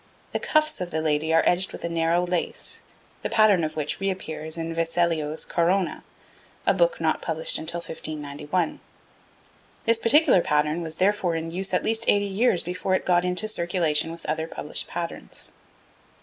The cuffs of the lady are edged with a narrow lace, the pattern of which reappears in Vecellio's Corona, a book not published until 1591. This particular pattern was, therefore, in use at least eighty years before it got into circulation with other published patterns.